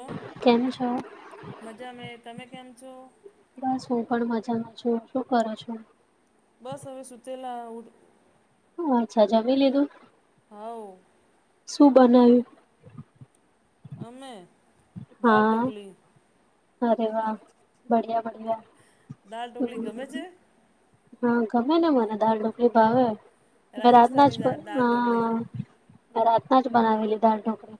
ઓ કેમ છો? મજા મે તમે કેમ છો? બસ હું પણ મજામાં છું શું કરો છો? બસ હવે સુતેલા ઉડ શું વાત છે જમી લીધું હઓ. શું બનાવ્યું અમે દાલ હા ઢોકલી અરે વાહ બડિયા બડિયા દાલ ઢોકલી ગમે છે હા ગમે ને મને દાર ડોકલી ભાવે મે રાતના જ રાજસ્થાની દા દાલ ઢોકલી હા મેં રાતના જ બનાવી લીધા ઢોકળા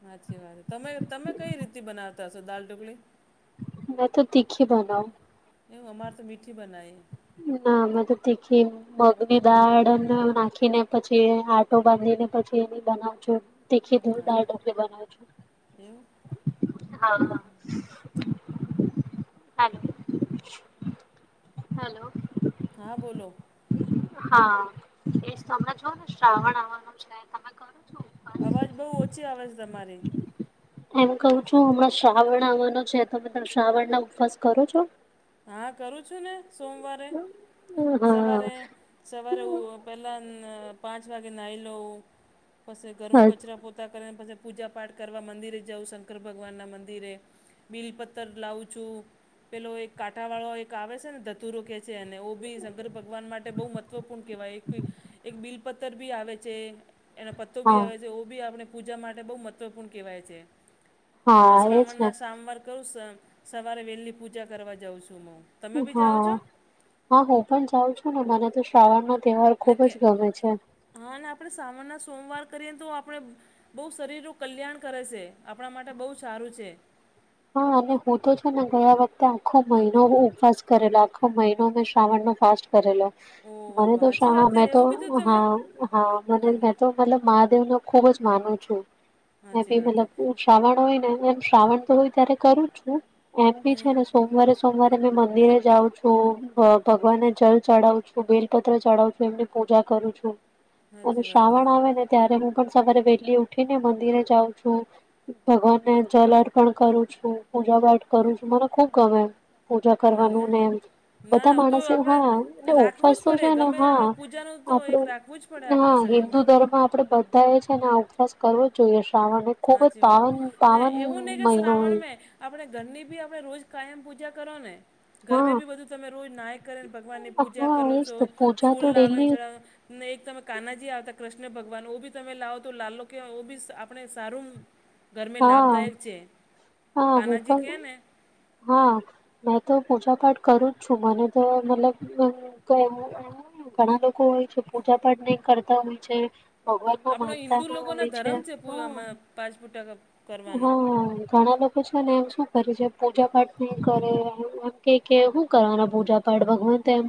સાચી વાત તમે તમે કઈ રીતી બનાવતા હશો દાલ ઢોકળી મેં તો તીખી બનાઉ એવું અમારે તો મીઠી બનાવી ના મેં તો તીખી મગની દાળને નાખીને પછી આટો બાંધી ને પછી એની બનાવ છું. તે ખીધું હા દળ ઢોકલી બનાવું છું. [unintelligible] એવું હલો હેલો હા બોલો હા એજમે જો ને શ્રાવણ આવવાનું છે તમે કરો. અવાજ બહુ ઓછી અવાજ તમારી એમ કહું છું હમણાં શ્રાવણ આવાનો છે શ્રાવણ ના ઉપવાસ કરો છો? હા કરું છું ને સોમવારે હા સવારે સવારે હ પેલા પાંચ વાગે નાહી લોઉં પ ગરમું કચરા પોતે તા કરીને પછી પૂજા પાઠ કરવા મંદિરે જવું શંકર ભગવાનના મંદિરે બિલ પથર લાવું છું પેલો એક કાંઠાવાળો એક આવે છે ને ધતુરો કેહે છે અનેને ઓ બી શંકર ભગવાન માટે બહુ મહત્વપૂર્ણ કહેવાય એકી એક બિલ પથર ભી આવે છે. એનો પત્તો બી હા આવે છે ઓ બી આપણે પૂજા માટે બહુ મહત્ત્વપૂર્ણ કહેવાય છે. તો હા એજ ને શ્રાવણના સામવાર કું સવારે વહેલીલી પૂજા કરવા જાઉં છું હું. તમે બી જાઓ હા છો હા હું પણ જાઉં છું ને મને તો શ્રાવણનો તહેવાર ને ખૂબ કે જ ગમે છે. હા અને આપડણે સાવણના સોમવાર કરીએ તો આપડણે બહુ શરીરનું કલ્યાણ કરે છે આપણા માટે બહુ સારું છે. હા અને હું તો છે ને ગયા વખતે આખો મહિનો ઉપવાસ કરેલો આખો મહિનો મેં શ્રાવણનો ફ કરેલો ઓ મને બાપા તો સાચી શા વાત છે. મે તો એવું કીધું હા તમે હા મને મે તો લબ મહાદેવને ખુબ જ માનું છું મે સાચી બી વાત છે. મતલબ શ્રાવણ હોય ને એમ શ્રાવણ તો હોય ત્યારે કરું છું એમ બી હમ છે ને સોમવારે સોમવારે મે મંદિરે જાઉં છું ભગવાનને જળ ચડાવું છું બ બેલપત્ર ચડાવું છું એમને પૂજા કરું છું સાચી અને વાત છે. શ્રાવણ આવે ને ત્યારે હું પણ સવારે વહેલી ઉઠી ને મંદિરે જાઉં છું ભગવાનને જલ અર્પણ કરું પૂજા પાઠ કરું છું મને ખુબ ગમે એ પૂજા કરવાનું ને એમ ના બધા ના હું તો માણસે આપણે હા એ રાખવું ફસ જ પડે છે ને ગમે તે હા આપણે પૂજાનું તો એક આપડું રાખવું જ પડે હા આપણે હિન્દુ શરીરમાં ધર્મ આપડે બધા એ છેને આ ઉપવાસ કરવો જ જોઈએ શ્રાવણ ખુબ જ સાચી બાવન વાત ને બાવન એવું નહીં કે મહિનો શ્રાવણ હોય મેં આપણે ઘરની બી આપણે રોજ કાયમ પૂજા કરો ને ઘરમે હા બી બધું તમે રોજ ના કરેને ભગવાનની પૂજા હા કરો એજ છો તો પૂજા તો ફૂલ લાવે ડેલી ચડાવે ને એક તમે કાનાજી આવતા કૃષ્ણ ભગવાન બી તમે લાવો તો લાલ લો કેય બી આપણે સ સારું ઘરમે હા લાભદાયક છે હા હું કાનાજી પણ કહે ને હા મેં તો પૂજા પાઠ કરું જ છું મને તો મતલબ કઈ ઘણા લોકો હોય છે પૂજા પાઠ નહી કરતા હોય છે. ભગવાન ના આપણો માનતા હિન્દુ ના લોકોનો હો છે ધર્મ હ પૂ- પાંચ ફુટ ટ ક હા ઘણા લોક પછનેમ શું કરે છે પૂજા પાઠ નહી કરે એમ કે શું કરવાના પૂજા પાડ ભગવંત તેમજ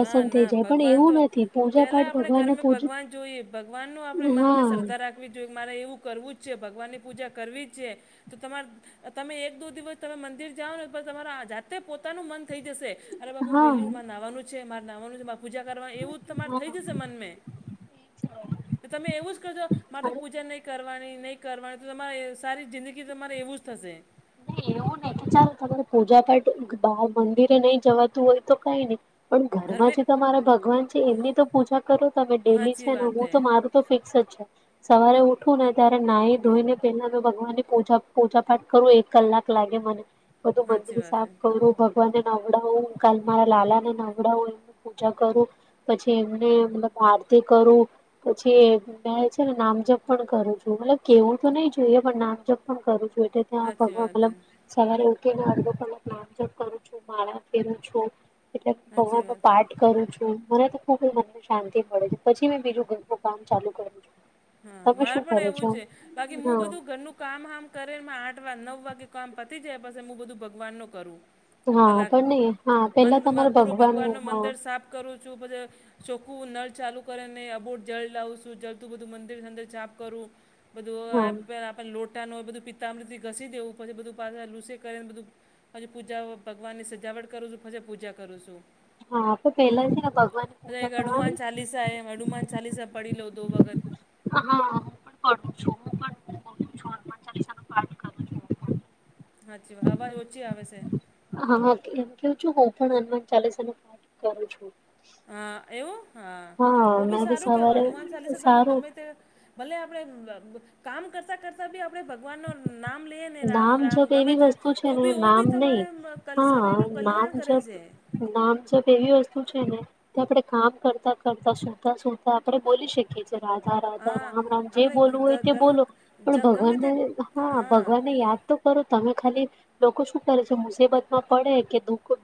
ના ના ભગવાન તો પેલા પાઠ આપણે ભગવાનને ઘરમાં પૂજ ભગવાન જોઈએ ભગવાન ન આપણે મન હા શ્રદ્ધા રાખ જો મારે એવું કરવું જ છે ભગવાનની પૂજા કરવી છે તો તમારે તમે એક દો દિવસ તમે મંદિર જાઓ ને તમારા જાતે પોતાનું મન થઈ જશે અરે બાપુ હા વેલું માર નાવાનું છે મારે નાવાનું છે. પૂજા કરવા એવું તમારે થઈ જશે મનમે હા. તમે એવું જ કરજો મારે તો પૂજા નહીં કરવાની નહીં કરવાની તો તમારે સારી જિંદગી તમારે એવું જ થશે ન એવું નહીિ કે ચાલ તને પૂજા પાઠ મંદિરે નહી જવાતું હોય તો કઈ નહી પણ ઘરમાં જે તમારે ભગવાન છે એમની તો પૂજા કરો તમે ડેલી સાચી છે ને વાત હું હે તો મારું તો ફિક્સ જ છે સવારે ઉઠું ને ત્યારે નાહી ધોઈ ને પેલા તો ભગવાનની પૂજા પાઠ કરું એક કલાક લાગે મને બધું સાચી મંદિર વાત સાફ હે કરું ભગવાનને નવડાવું કાલ મારા લાલા ને નવડાવું એ પૂજા કરું પછી એમને મલબ આરતી કરું પછી છે ને નામજપ પણ કરું છું મતલબ કેવું તો નહી જોઈએ પણ નામજપ પણ કરું છું એલે ગ સાચી વાત મતલબ હે સવારે ઉઠીને અડધો પક નામ જપ કરું છું માળા ફેરું છું એટલે હ સાચી ભગવાનનો વાત હે પાઠ કરું છું મને ખબ મને શાંતિ મળે છે પછી મે બીજું ગરું કામ ચાલુ કરું હા તમે મારે શું પણ કરો એવું છો છે બાકી હું બધું હા ઘરનું કામ હામ કરે આઠ વાગ નવ વાગે કામ પ જાય પા હું બધું ભગવાન નું કરું હા કલાક પણ નહી હા મ પેલા તમારે પૂરો ભગવાન ભગવાનનું ન હા મંદિર સાફ કરું છું પછ ચોખ્ખું નળ ચાલુ કરીે ને અ બોટ જળ લાવ છું જળતું બધું મંદિર ર ચાપ કરું હા બધું લોટ હોય બધું પિતામ થી ઘસી દેવું પડ બધું પા લુ કરી ને બધું હછી પૂજા ભગવાનની સજાવટ કરું છું પછી પૂજા કરું છું હા આપણે પેલા છે ને ભગવાનની પૂજા એક અનુમાન કરવાની ચાલીસા એમ અનુમાન ચાલીસા પઢી લો દો વગત હા પું છું હું પણ સાાચી વા અવાજ ઓછી આવે છે હા એમ કેવું છું હું પણ હનુમાન ચાલીસાને પાઠ કરું છું હા એવું હા ઓ બી સારું કેવાય હનુમાન ચાલીસા તમે સારું ગમે તે ભલે આપણેે કામ કરતા કરતા બી આપણે ભગવાન ન નામ લઈએ ને રામ નામ રામ જપ ગમે એવી તે વસ્તુ છે તો ને બી ઓ નામ બી નહી તમારે શરીર ન કલ્યાણ કરે છે નામજપ એવી વસ્તુ છે ને આપડણે કામ કરતા કરતા સુતા સુતા આપણે બોલી શકીએ છીએ રાા રાધા હા રામ રામ જે આપણે બોલવું હોય તે બોલો પણ ઘરમાં ગમે તે ભગવાનને હા ભગવાનને યાદ તો કરો તમે ખાલી લોકો શું કરે છે મુસીબત માં પડે કે દુઃખ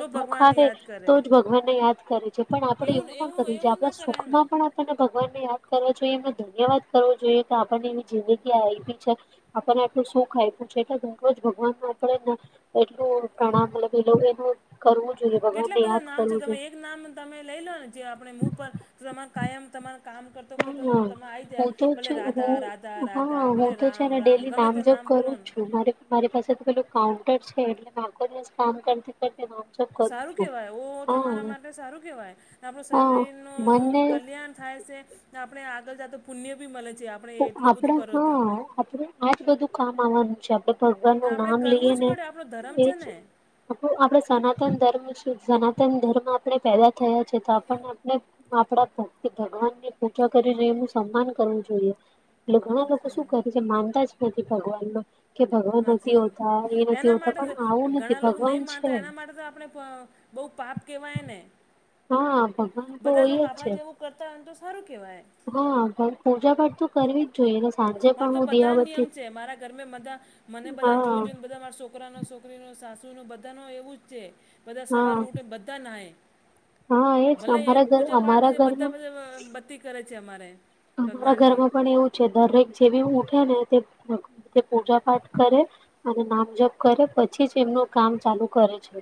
તો દુઃખ ભગવાનને આવે યાદ કરે તો જ ભગવાનને યાદ કરે છે પણ આપડે એવું ના કરું એવું આપણા ના કરાય ને સુખમાં પણ આપને ભગવાન ને યાદ કરવા જોઈએ એ ધન્યવાદ કરવો જોઈએ કે આપણને એવી જિંદગી આવીી છે આપણને આટલું સુુંખ આપ્યું છે એટલેજ ભગવાન ન આપણે એટલું પ્રણામ મતલબ એ લોકો એનું કરવું જોઈએ કેટલા ભગવાનને બધા યાદ નામ છે કરવું તમે જોઈએ એક નામ તમે લઈ લો ને જે આપણે મુ પર તમા કાયમ તમારા કામ કર તો તો હા તમે આવી જાય હું તો ભલે છું રાધા રાધા હું હા રાધા ભલે હું તો છે રામ ને રામ ડેલી ગમે તે નામજપ નામ કરું બોલો જ ને મારી પાસે તો પેલું કાઉન્ટર છે એટલે આખો દિવસ કામ કરતી કર સારું કેવાય ઓ તમારા માટે સારું કેવાય આપણ શરીર ન હા મનને કલ્યાણ થાય છે આપણે આગળ જાતો પુણ્ય બી મળે છે આપણે તો એટલું બધું આપડા કરો તો હા આપડ આજ બધું કામ આવવાનું છે આપ ભગવાન ને નું આપણે નામ કરવું લઈએ જ ને પડે આપણો ધર્મ છે એજ ને આપડુ આપણે સનાતન ધર્મ સનાતન ધર્મ આપણે પેદા થયા છે તો આપણને આપણે આપડા ભક્તિ ભગવાનની પૂજા કરીને એનું સન્માન કરવું જોઈએ. એટલે ઘણા લોકો શું કરે છે માનતા જ નથી ભગવાનમાં કે ભગવાન સાચી નથી હોતા એ વાત નથી એના હોતા પણ માટે આવું નથી ઘણા લોકો ભગવાન નહી છે માનતા એના માટે તો આપણે બહુ પાપ કહેવાય ને હા ભગવાન તો બધા હોય લોકો જ આપણા છે જેવું કરતા હોયને તો સારું કહેવાય હા પણ પૂજા કરતું કરવી જ જોઈએ તો સાંજે મા પણ તો હું બધા નિયમ દિયાબત્તી છે મારા ઘરમે બધા મને બધા જો હા જોને બધા મા છોકરાનો છોકરી નો સાસુનો બધાનો એવું જ છે બધા સવાર હા ઉઠે બધા નાહે. હા એજ ભલે એક અમારા ઘર પૂજા પાઠ અમારા કરી બધા ઘરમાં બધા બતી કરે છે અમારે. અમારા ભગવાનની ઘરમાં પણ એવું છે દરેક જેવી ઉઠે ને તે ભગ પૂજા પાઠ કરે. અને નામજપ કરે પછી જ એમનું કામ ચાલુ કરે છે.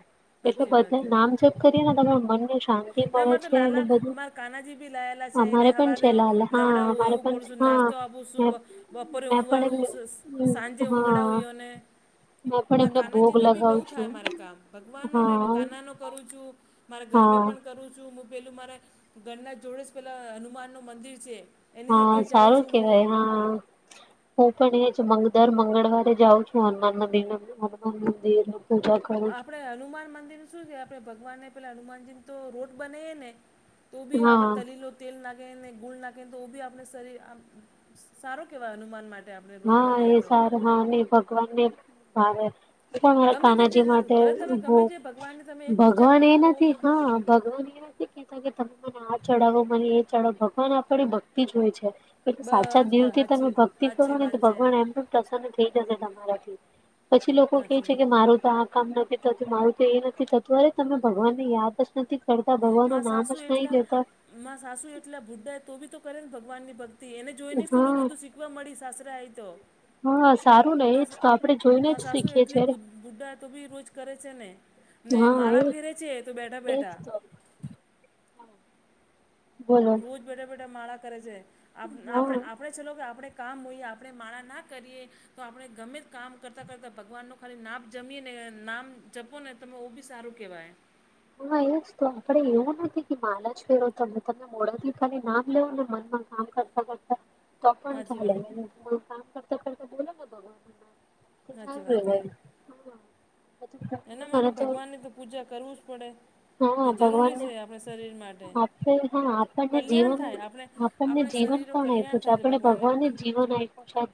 એટલે સાચી બધા નામ જપ કરીએ ને તમે મનને. શાંતિ ના મળે અમારે તો છે અને લાલા બધું અમારા કાનાજી ભી લાયેલા છે એને અમારે પણ હવારે. છે લાલ હા નવડાવું અમારે એવું પણ કરું છે, છું હા નાસ્તો આપું છું બ મેં બપોરે મેં પણ ઉગાળું સસ સાંજ. જે એમ ઉુંંગડા ઈઓ હા અને. મેં પણ પર એમને ભોગ કાનાજી નુ ભી લગાવ બહુ થાય છું મારે કામ ભગવાન નુને હા કાના. કરું છું મારા ઘર મે. હા કરું છું હું પેલું મારા ઘરના જોડે જ પેલા હનુમાનનું મંદિર છે. એની હા જગ્યાએ જાઉં સારું છું હું કેવાય હા. હું પણ એ જ મંગ દર મંગળવારે જાઉં છું હનુમાન મંદિર હનુમાન મંદિર પૂજા. કરું છું. આપણેે હનુમાન મંદિર શું છે આપણે ભગવાનને પેલા હનુમાનજી તો લોટ બનેએ ને. તો ભી આપે હા દલીલ. તેલ નાખેને ગુળ નાખે ને તો બી આપણે શરીર આ સારો કેહેવાય હનુમાન માટે. આપણે રોટ હા બનાવીએ એ તો સારું હા ને ભગવાન ને ભાવે. પણ મારા ગમે તે જે કાનાજી માટે, ભલે તમે ગમે ભોગ જે ભગવાનની તમે એક પૂજા ભગવાન એ કરો ને તો નથી. હા ભગવાન એ નથી કે. તમે મને આ ચડાવો મને એ ચડાવો ભગવાન આપણી ભક્તિ જોએ છે. પણ સાચા બસ દિલ બસ થી સાચી તમે ભક્તિ. સાચી વાત છે પ્રભુ પ્રસન્ન થ‌ઇ જશે તમારા થી પછી લોકો કે સાચી છે વાત કે, મારું તો આ. કામ નથી થતું. મારું તો એ નથી થતું. અરે તમે ભગવાન ને યાદ જ નથી. કરતા માં ભગવાનું નામ સાસુ જ નહી એટલા લેતા. માં સાસુ એટલા બુદ્ધા એ તો બી તો કરે ને ભગવાનની ભક્તિ. તી એને જોઈ ને તોજ હા ને બધું શીખવા મળી સાસરા આઇ તો. હા સારું ને એજ માં તો આપણે જોઈને માં જ સાસુ શીખીએ એટલી છીએ બુઢા તો બી રોજ કરે છે ને. ને હા માળા એ ફેરે છે એ તો બેઠા એજ બેઠા. તો બોલો રોજ બેઠા બેઠા માળા કરે છે. આપ હા આપણે આપ. આપણે ચલો કે આપણે કામ હોઈએ. આપણે માળા ના કરીએ. તો આપણે ગમે કામ કરતા કરતા ભગવાન નુ ખાલી નાપ જમી ને નામ જપો ને. તમે ઓ બી સારું કહેવાય. હા એઉજ તો આપડે એવું નથી કે માલા જ ફેરોજ તમે મોડે થી ખાલી નામ લેવું ને મનમાં. કામ કરતા કરતા તો પણ, સાચી ચાલે વાત અને થોડું કામ કરતા કરતા બોલો ને ભગવાન સાચી નુ વાત એ નામ. [unintelligible] એના માટે ભગવાનની તો પૂજા કરવું જ હા પડે. જરૂરી ભગવાનને છે. આપણે શરીર માટે. આપણે હા આપણને કલ્યાણ જીવન થાય આપણે. આપણને આપણે જીવન શરીર નુ કોણ કલ્યાણ આપ્યું થાય છે ને આપણે ભગવાનની. ભગવાનને જીવન આએપુ છે [inaudible] આપ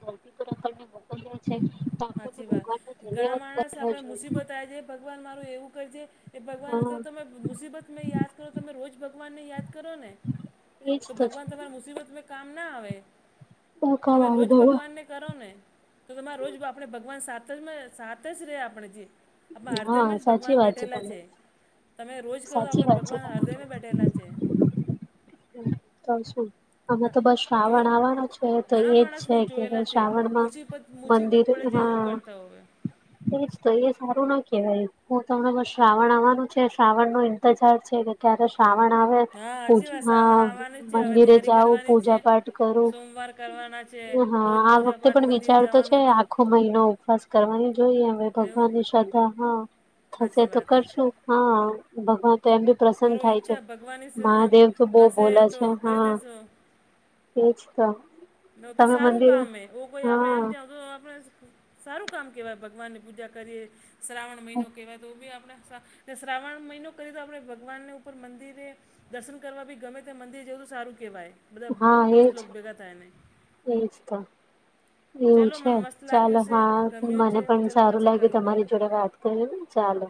સાચી વાત ભગવાન નો ઘણા ધન્યવાદ માણસ કરવો આપણે જોએ. મુસીબત આવી જાય ભગવાન મારું એવું કર છે. કે ભગવાનને તો હા તમે. મુસીબત મેં યાદ કરો. તમે રોજ ભગવાનને યાદ કરો ને. એજ તો છે ભગવાન તમારી મુસીબત મેં. કામ ના આવે કબ તમે રોજ આવ ભગવાનને કરો ને તો તમારે રોજ બા ભગવાન સાત જ સાત જ રહે આપણે જે આપણા હા હદયમ જ સાચી ભગવાન વાત બેઠેલા તમારી છે. તમે રોજ કરો તો સાચી આપણે વાત છે ભગવાન હરદયમે તમારી બેઠેલા છે. તો શું? અમે તો બસ તો શ્રાવણ આવવાના છે. તો ઘણા એજ માણસ છે મેં કે જોયેલા ભ છે શ્રાવણમાં. મુસીબત મુસીબત મંદિર પડે છે એવું માં. કરતા હોય એજ તો એ સારું ના કેવાય. હું તમને બ શ્રાવણ આવવાનું છે. શ્રાવણ નો ઇંતજાર છે. ક્યારે શ્રાવણ આવે. હા સાચી વાત પૂજા શ્રાવણ આવવાનું જ છે, હવે મંદિરે તૈયારી જાઉં કરવાની જ છે, પૂજા પાઠ કરું સોમવાર કરવાના છે હા રોજ આ વખતે પૂજાપાઠ પણ મંદિર વિચારતો છે, જવાનું જ આખો મહિનો ઉપવાસ કરવાનો જોઈએ હવે એવું ભગવાન ની શ્રદ્ધા હા થશે સાચી તો વાત છે કરશું હા ભગવાન તો એમ બી પ્રસન્ન કરો થાય છે, ઈચ્છા ભગવાનની મહાદેવ તો બો હશે ભોલે તો છે, કરી હા દેશો એ જ ત નો તો સારું કામ હે ઓ કોઈ આપણે એમ ત તો આપણે સારું કામ કેહેવાય ભગવાનની પૂજા કરીએ શ્રાવણ મહિનો કેહેવાય તો બી આપણે સા ત શ્રાવણ મહિનો કરીએ તો આપણે ભગવાનને ઉપર મંદિરે દર્શન કરવા બી ગમે ત્યા મંદિર જેવું સારું કહેવાય બધા હા દોસ્ત એજ લોકો ભેગા થાય ને એજ ત એવું ચલો છે, મને મસ્ત ચાલો લાગ્યું છે હા ગમ્યું છે મને પણ ચલો સારું પછી લાગ્યું કરું કોલ તમારી જોડે વાત [unintelligible] ચાલો